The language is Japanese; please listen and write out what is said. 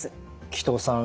鬼頭さん